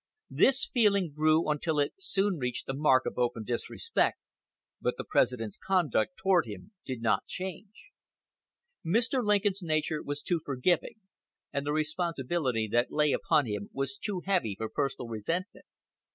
This feeling grew until it soon reached a mark of open disrespect, but the President's conduct toward him did not change. Mr. Lincoln's nature was too forgiving, and the responsibility that lay upon him was too heavy for personal resentment.